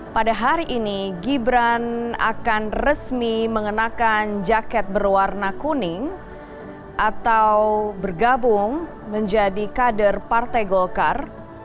pada hari ini gibran akan resmi mengenakan jaket berwarna kuning atau bergabung menjadi kader partai golkar